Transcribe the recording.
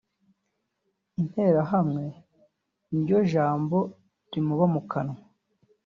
Interahamwe niryo jambo rimuba mu kanwa